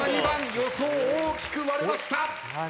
予想大きく割れました。